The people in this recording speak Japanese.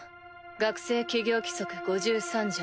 「学生起業規則５３条